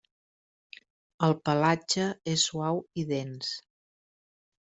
El pelatge és suau i dens.